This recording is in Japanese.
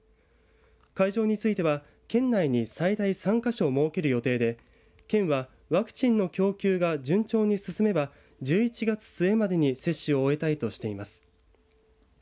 会場については県内に最大３か所設ける予定で県はワクチンの供給が順調に進めば１１月末までに接種を終えたいとしています。